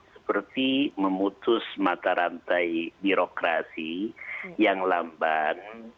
seperti memutus mata rantai birokrasi yang lambat